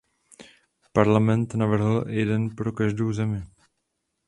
Parlament navrhl jeden pro každou zemi.